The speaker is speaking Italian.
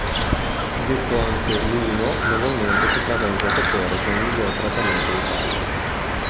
Detto anche l'"uno", normalmente si tratta del giocatore con il miglior trattamento di palla.